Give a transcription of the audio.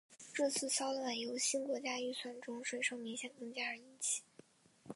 这次骚乱由新国家预算中税收明显增加而引起。